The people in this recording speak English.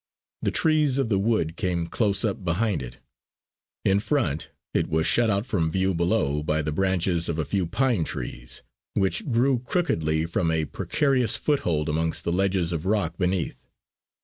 The trees of the wood came close up behind it; in front it was shut out from view below by the branches of a few pine trees which grew crookedly from a precarious foothold amongst the ledges of rock beneath.